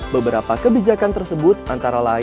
beberapa kebijakan tersebut antara lain mengadakan operasi